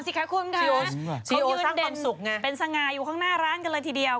นั่นแน่นอนสิครับคุณค่ะเป็นสง่ายอยู่ข้างหน้าร้านกันเลยทีเดียว